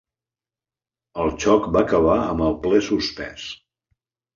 El xoc va acabar amb el ple suspès.